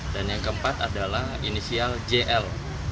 dan yang keempat adalah inisial jl